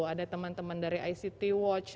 ada teman teman dari ict watch